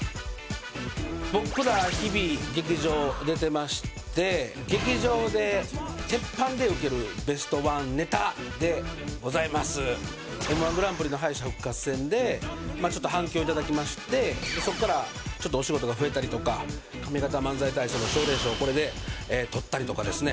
僕ら日々劇場出てまして劇場で鉄板でウケるベストワンネタでございますＭ−１グランプリの敗者復活戦でまあちょっと反響いただきましてそっからちょっとお仕事が増えたりとか上方漫才大賞の奨励賞これでとったりとかですね